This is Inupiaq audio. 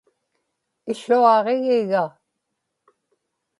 iłuaġigiga